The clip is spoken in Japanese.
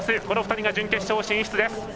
この２人が準決勝進出です。